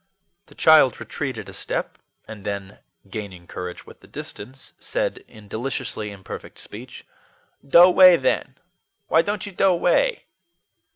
The child retreated a step, and then, gaining courage with the distance, said in deliciously imperfect speech: "Dow 'way then! why don't you dow away?"